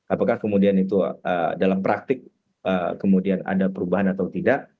apakah kemudian itu dalam praktik kemudian ada perubahan atau tidak